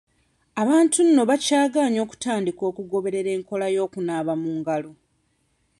Abantu nno bakyagaanye okutandika okugoberera enkola y'okunaaba mu ngalo.